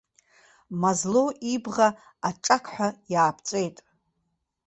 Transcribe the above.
Мазлоу ибӷа аҿақҳәа иааԥҵәеит.